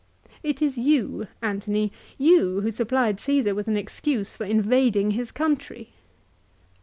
"It is you, Antony, you who supplied Caesar with an excuse for invading his country."